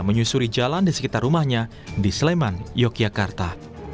menyusuri jalan di sekitar rumahnya di sleman yogyakarta